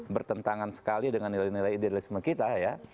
bertentangan sekali dengan nilai nilai idealisme kita ya